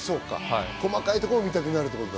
細かいところを見たくなるんだ。